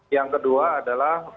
yang kedua adalah